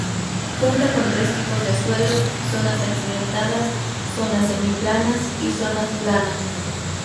Cuenta con tres tipos de suelo: zonas accidentadas, zonas semiplanas y zonas planas.